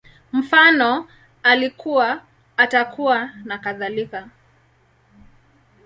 Mfano, Alikuwa, Atakuwa, nakadhalika